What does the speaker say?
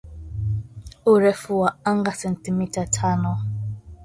urefu wa angaa sentimita tano